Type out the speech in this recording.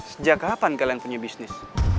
sejak kapan kalian punya bisnis